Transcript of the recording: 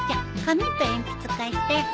紙と鉛筆貸して。